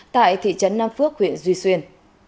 tại thị trấn nam phước huyện duy xuyên